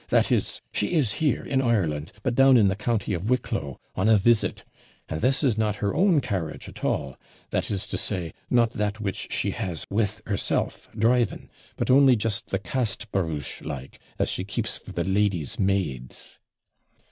That is, she is here, in Ireland; but down in the county of Wicklow, on a visit. And this is not her own carriage at all; that is to say, not that which she has with herself, driving; but only just the cast barouche like, as she keeps for the lady's maids.'